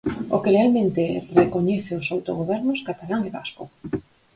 O que lealmente recoñece os autogobernos catalán e vasco.